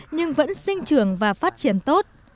nhưng vẫn sinh trưởng và phát triển tốt